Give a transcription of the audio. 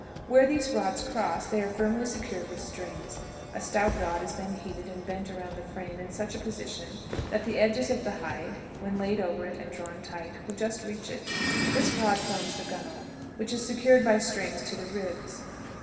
Where these rods cross they are firmly secured with strings. A stout rod is then heated and bent around the frame in such a position that the edges of the hide, when laid over it and drawn tight, will just reach it. This rod forms the gunwale, which is secured by strings to the ribs.